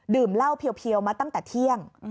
เหล้าเพียวมาตั้งแต่เที่ยง